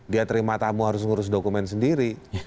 dia terima tamu harus ngurus dokumen sendiri